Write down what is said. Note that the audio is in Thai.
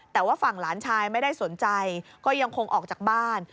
แต่ว่าฝั่งหลานชายไม่ได้สนใจก็ยังคงออกจากบ้าน